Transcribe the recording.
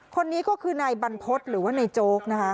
คนนี้ก็คือในบรรพศหรือว่าในโจ๊กนะคะ